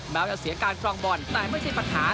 แม้จะเสียการครองบอลแต่ไม่ใช่ปัญหา